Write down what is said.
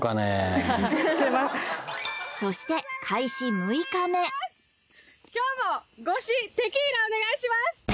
そして開始６日目今日もごしテキーラお願いします